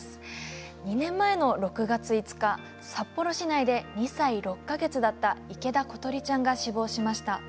２年前の６月５日札幌市内で２歳６か月だった池田詩梨ちゃんが死亡しました。